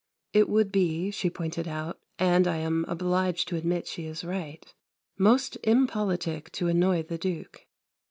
It would be, she pointed out and I am obliged to admit she is right most impolitic to annoy the Duke.